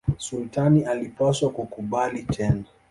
Sultani alipaswa kukubali tena.